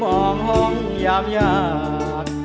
มองห่องยามยาก